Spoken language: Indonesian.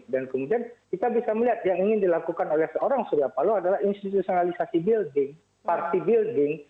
dan kemudian kita bisa melihat yang ingin dilakukan oleh seorang surya paloh adalah institusionalisasi building party building